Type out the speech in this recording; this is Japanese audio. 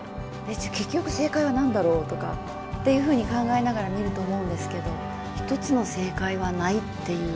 じゃ結局正解は何だろうとかっていうふうに考えながら見ると思うんですけど１つの正解はないっていう。